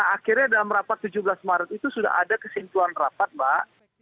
akhirnya dalam rapat tujuh belas maret itu sudah ada kesimpulan rapat mbak